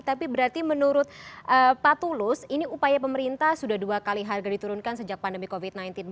tapi berarti menurut pak tulus ini upaya pemerintah sudah dua kali harga diturunkan sejak pandemi covid sembilan belas